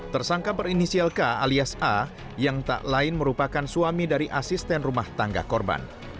tersangka berinisial k alias a yang tak lain merupakan suami dari asisten rumah tangga korban